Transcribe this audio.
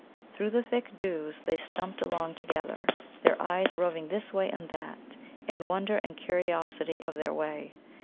Through the thick dews they stumped along together, their eyes roving this way and that, in wonder and curiosity of their way.